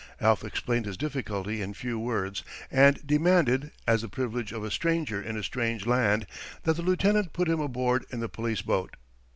Alf explained his difficulty in few words, and demanded, as the privilege of a stranger in a strange land, that the lieutenant put him aboard in the police boat.